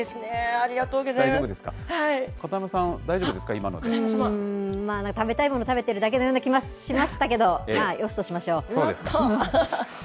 ありがとうぎょざい片山さん、大丈夫ですか、今食べたいものを食べてるような気もしましたけれども、よしとしましょう。